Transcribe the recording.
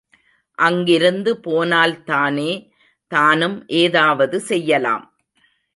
அங்கிருந்து போனால் தானே தானும் ஏதாவது செய்யலாம்.